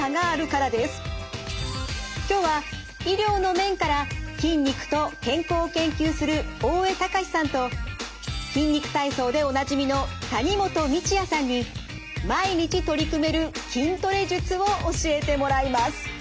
今日は医療の面から筋肉と健康を研究する大江隆史さんと「筋肉体操」でおなじみの谷本道哉さんに毎日取り組める筋トレ術を教えてもらいます。